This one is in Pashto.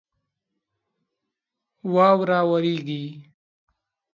واوره وریږي